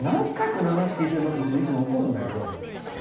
この話、聞いてるの？っていつも怒るんだけど。